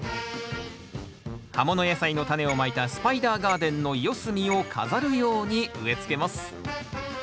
葉もの野菜のタネをまいたスパイダーガーデンの四隅を飾るように植えつけます